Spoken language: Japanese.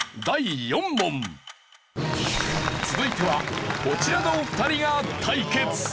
続いてはこちらのお二人が対決。